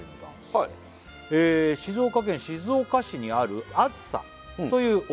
はい「静岡県静岡市にあるあずさという」